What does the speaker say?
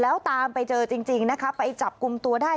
แล้วตามไปเจอจริงนะคะไปจับกลุ่มตัวได้